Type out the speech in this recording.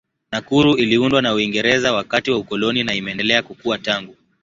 Nakuru iliundwa na Uingereza wakati wa ukoloni na imeendelea kukua tangu.